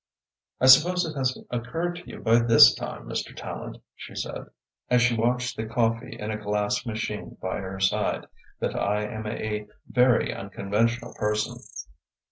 "I suppose it has occurred to you by this time, Mr. Tallente," she said, as she watched the coffee in a glass machine by her side, "that I am a very unconventional person."